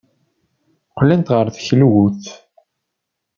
Qqlent ɣer teklut.